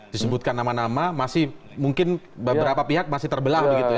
disebutkan nama nama masih mungkin beberapa pihak masih terbelah begitu ya